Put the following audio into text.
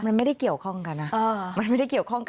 มันไม่ได้เกี่ยวข้องกันนะมันไม่ได้เกี่ยวข้องกัน